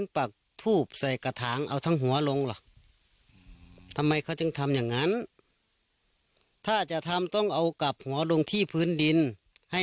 เพราะท่ำน้องชมพู่เน่นไร